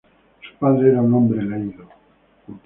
Su padre era un hombre leído.